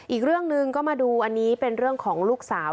อีกเรื่องหนึ่งก็มาดูอันนี้เป็นเรื่องของลูกสาว